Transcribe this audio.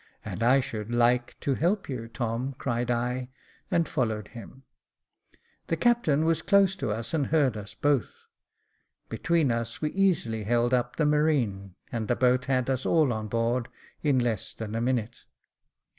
" And I should /ike to help you, Tom," cried I, and followed him. The captain was close to us, and heard us both. Be tween us, we easily held up the marine, and the boat had us all on board in less than a minute.